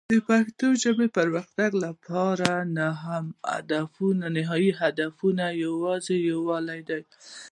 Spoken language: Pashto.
د پښتو ژبې د پرمختګ لپاره نهایي هدف یوازې یووالی دی.